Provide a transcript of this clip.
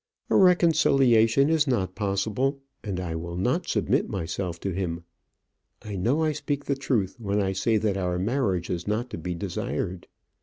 A reconciliation is not possible, and I will not submit myself to him. I know I speak the truth when I say that our marriage is not to be desired.